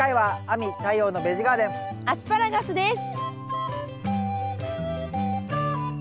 アスパラガスです。